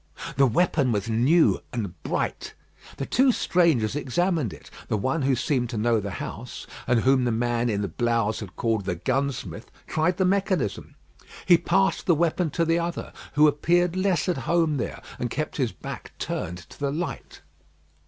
The weapon was new and bright. The two strangers examined it. The one who seemed to know the house, and whom the man in the blouse had called "the gunsmith," tried the mechanism. He passed the weapon to the other, who appeared less at home there, and kept his back turned to the light.